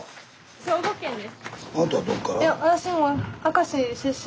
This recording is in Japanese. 兵庫県です。